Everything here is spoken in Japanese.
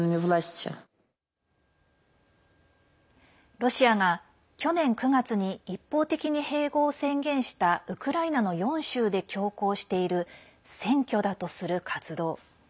ロシアが去年９月に一方的に併合を宣言したウクライナの４州で強行している選挙だとする活動。